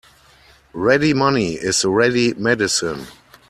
Ready money is ready medicine.